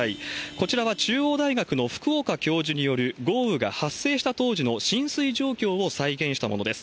こちらは中央大学のふくおか教授による豪雨が発生した当時の浸水状況を再現したものです。